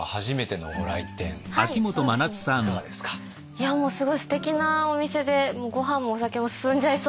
いやもうすごいすてきなお店でごはんもお酒も進んじゃいそうな。